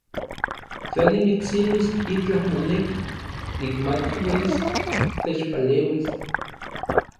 Tla nimitsiluis itlaj moneki, nikmati uelis techpaleuis.